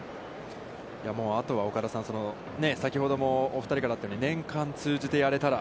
あとは岡田さん、先ほどもお二人からあったように、年間通じてやれたら。